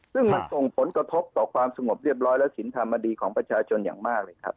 ซึ่งมันส่งผลกระทบต่อความสงบเรียบร้อยและสินธรรมดีของประชาชนอย่างมากเลยครับ